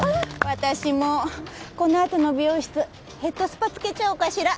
私もこのあとの美容室ヘッドスパつけちゃおうかしら